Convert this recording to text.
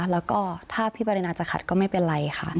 แล้วก็ถ้าพี่ปรินาจะขัดก็ไม่เป็นไรค่ะ